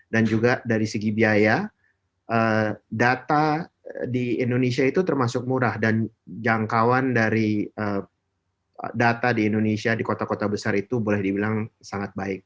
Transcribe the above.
dan juga dari segi biaya data di indonesia itu termasuk murah dan jangkauan dari data di indonesia di kota kota besar itu boleh dibilang sangat baik